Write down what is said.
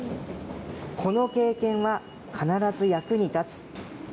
この経験は必ず役に立つ。